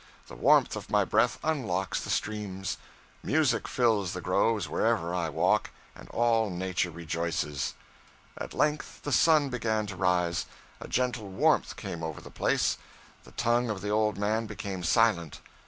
The warmth of my breath unlocks the streams. Music fills the groves wherever I walk, and all nature rejoices.' At length the sun began to rise. A gentle warmth came over the place. The tongue of the old man became silent.